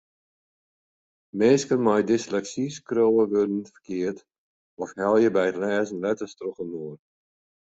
Minsken mei dysleksy skriuwe wurden ferkeard of helje by it lêzen letters trochinoar.